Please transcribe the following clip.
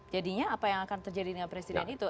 jadinya apa yang akan terjadi dengan presiden itu